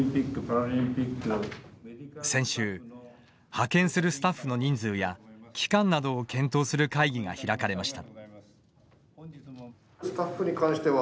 先週、派遣するスタッフの人数や期間などを検討する会議が開かれました。